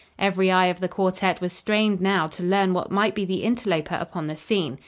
Every eye of the quartet was strained now to learn what might be the interloper upon the scene.